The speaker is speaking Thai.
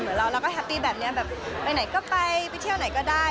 เราก็แฮปปี้แบบนี้แบบไปไหนก็ไปไปเที่ยวไหนก็ได้